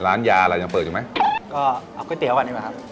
ร้านยาอะไรยังเปิดอยู่ไหมก็เอาก๋วยเตี๋ยวก่อนดีกว่าครับ